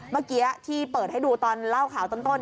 เมื่อกี้ที่เปิดให้ดูตอนเล่าข่าวต้น